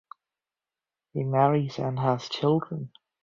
He marries and has children.